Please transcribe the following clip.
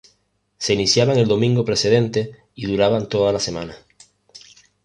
Se iniciaban el domingo precedente y duraban toda la semana.